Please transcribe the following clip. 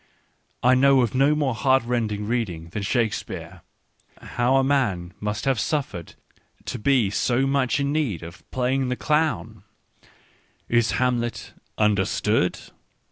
I know of no more heartrending read ing than Shakespeare: how a man must have suffered to be so much in need of playing the clown I Is Hamlet understood"!